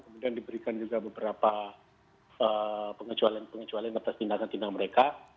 kemudian diberikan juga beberapa pengecualian pengecualian atas tindakan tindakan mereka